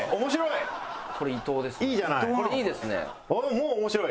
もう面白い。